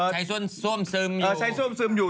ใช้ส้วนซ่วมซึมอยู่